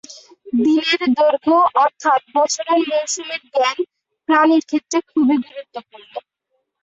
দিনের দৈর্ঘ্য, অর্থাৎ বছরের মৌসুমের জ্ঞান, প্রাণীর ক্ষেত্রে খুবই গুরুত্বপূর্ণ।